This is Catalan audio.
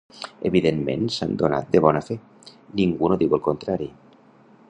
Evidentment s'han donat de bona fe, ningú no diu el contrari.